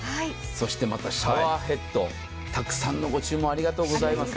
そしてまたシャワーヘッド、たくさんのご注文ありがとうございます。